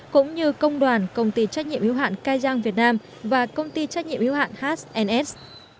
cũng như công đoàn công ty trách nhiệm hữu hạn kaiyang việt nam và công ty trách nhiệm hữu hạn hns